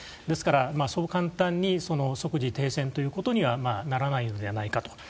ですから、そう簡単に即時停戦とはならないのではないかと。